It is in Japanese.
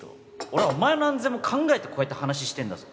俺はお前の安全も考えてこうやって話してんだぞ。